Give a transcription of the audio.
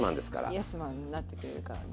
イエスマンになってくれるからね。